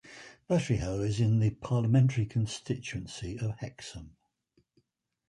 Butteryhaugh is in the parliamentary constituency of Hexham.